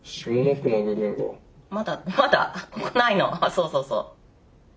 そうそうそう。